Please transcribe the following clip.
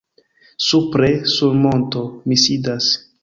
Supre, sur monto, mi sidas.